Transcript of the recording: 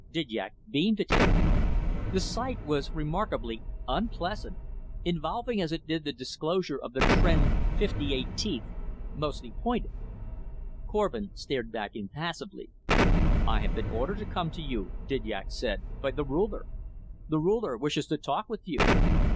Didyak beamed at him. The sight was remarkably unpleasant, involving as it did the disclosure of the Tr'en fifty eight teeth, mostly pointed. Korvin stared back impassively. "I have been ordered to come to you," Didyak said, "by the Ruler. The Ruler wishes to talk with you."